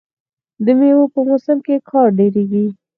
د میوو په موسم کې کار ډیریږي.